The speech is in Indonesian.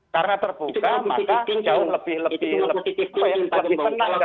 karena terbuka maka jauh lebih lebih lebih